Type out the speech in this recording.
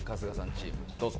チームどうぞ。